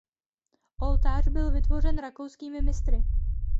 Oltář byl vytvořen rakouskými mistry.